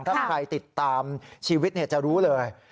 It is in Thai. ถ้าใครติดตามชีวิตจะรู้เลย